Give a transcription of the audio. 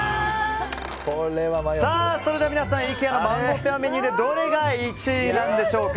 それでは皆さんイケアのマンゴーメニューでどれが１位なんでしょうか。